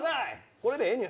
これでええんや。